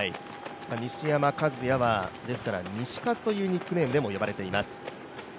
西山和弥はですから、ニシカズというニックネームでも呼ばれています。